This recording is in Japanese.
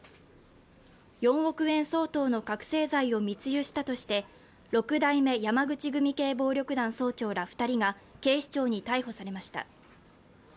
４億円相当の覚醒剤を密輸したとして六代目山口組系暴力団総長ら２人が警視庁に逮捕されました。